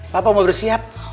papa mau bersiap